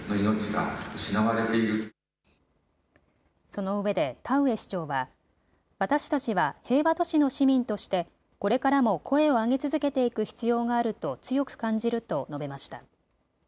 そのうえで田上市長は私たちは平和都市の市民としてこれからも声を上げ続けていく必要があると強く感じると述べました。